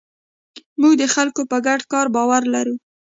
موږ د خلکو په ګډ کار باور لرو.